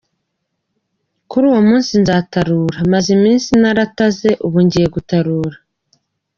Kuri uwo munsi nzatarura, maze iminsi narataze ubu ngiye gutarura”.